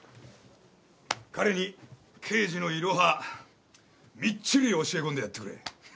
彼に刑事のいろはみっちり教えこんでやってくれ。